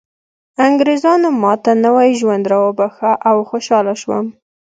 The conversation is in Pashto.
انګریزانو ماته نوی ژوند راوباښه او خوشحاله شوم